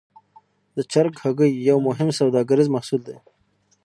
د چرګ هګۍ یو مهم سوداګریز محصول دی.